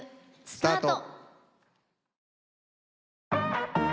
スタート！